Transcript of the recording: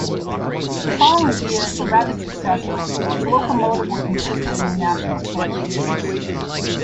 The following years were rather successful as Lokomotiv were consistent in the national championships.